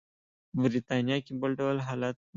په برېټانیا کې بل ډول حالت و.